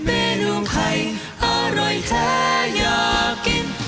เมนูไข่อร่อยแท้อยากกิน